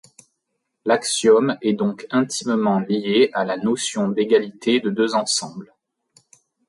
L’axiome est donc intimement lié à la notion d’égalité de deux ensembles.